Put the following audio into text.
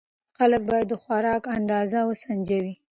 خلک باید د خوراک اندازه وسنجوي.